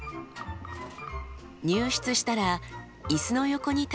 入室したら椅子の横に立って挨拶します。